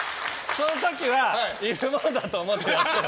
その時はいるものだと思ってやってよ。